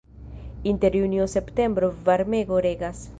Inter junio-septembro varmego regas.